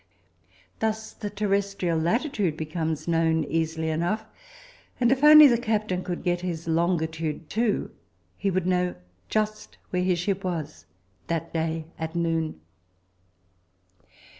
Thus the terrestrial latitude becomes known easily enough, and if only the captain could get his longitude too, he would know just where his ship was that day at noon.